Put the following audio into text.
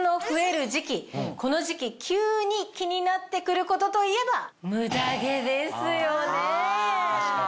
この時期急に気になって来ることといえばムダ毛ですよね。